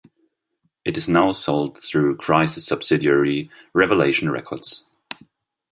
It is now sold through Crisis subsidiary, Revelation Records.